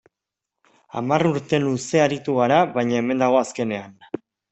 Hamar urte luze aritu g ara, baina hemen dago azkenean.